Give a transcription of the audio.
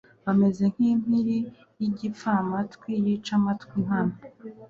bameze nk'impiri y'igipfamatwi, yica amatwi nkana